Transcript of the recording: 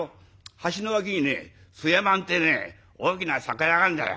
橋の脇にね酢屋満ってね大きな酒屋があるんだよ。